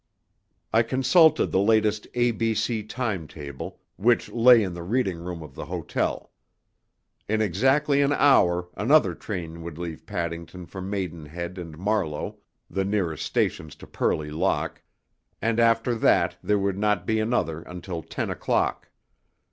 I consulted the latest A.B.C. time table, which lay in the reading room of the hotel. In exactly an hour another train would leave Paddington for Maidenhead and Marlow (the nearest stations to Purley Lock), and after that there would not be another until ten o'clock.